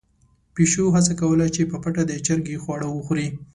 پيشو هڅه کوله چې په پټه د چرګې خواړه وخوري.